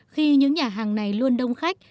khi những nhà hàng này luôn đông khách